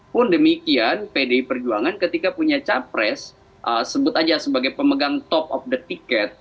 pun demikian pdi perjuangan ketika punya capres sebut aja sebagai pemegang top of the ticket